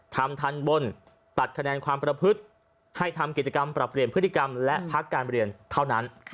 ทำทันบนตัดคะแนนความประพฤติให้ทำกิจกรรมปรับเปลี่ยนพฤติกรรมและพักการเรียนเท่านั้น